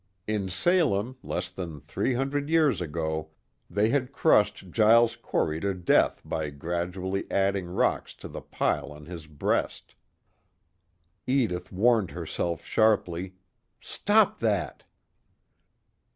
In Salem, less than three hundred years ago, they had crushed Giles Corey to death by gradually adding rocks to the pile on his breast. Edith warned herself sharply: _Stop that!